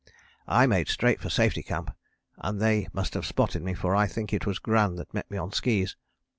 "I made straight for Safety Camp and they must have spotted me: for I think it was Gran that met me on skis.